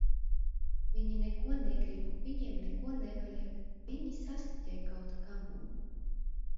Viņi neko negrib, viņiem neko nevajag, viņi sastiķē kaut kam.